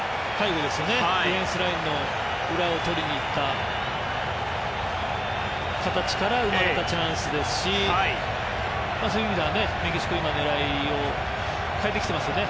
ディフェンスラインの裏をとりにいった形から生まれたチャンスですしそういう意味ではメキシコ、今は狙いを変えてきていますね。